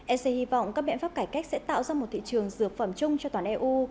ec hy vọng các biện pháp cải cách sẽ tạo ra một thị trường dược phẩm chung cho toàn eu